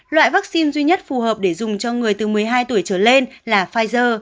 loại vaccine duy nhất phù hợp để dùng cho người từ một mươi hai tuổi trở lên là pfizer